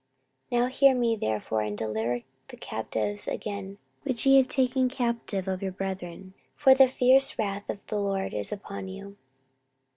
14:028:011 Now hear me therefore, and deliver the captives again, which ye have taken captive of your brethren: for the fierce wrath of the LORD is upon you.